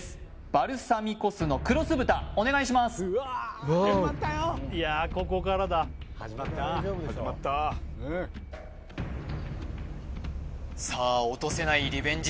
バルサミコ酢の黒酢豚お願いしますさあ落とせないリベンジ